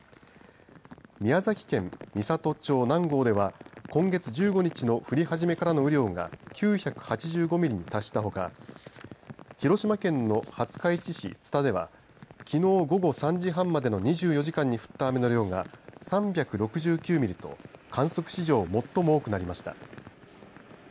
宮崎県美郷町南郷では今月１５日の降り始めからの雨量が９８５ミリに達したほか広島県の廿日市市津田ではきのう午後３時半までの２４時間に降った雨の量が３６９ミリと観測史上最も多くなりました。